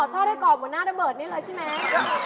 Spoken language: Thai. อ๋อทอดให้กรอบหมุนหน้าดะเบิดนี้เลยใช่ไหม